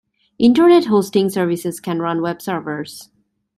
Internet hosting services can run Web servers.